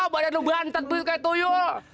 badan lu ganteng kayak tuyul